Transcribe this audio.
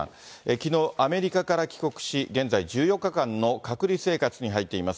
きのう、アメリカから帰国し、げんざい１４日間の隔離生活に入っています。